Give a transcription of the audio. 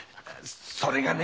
それがね。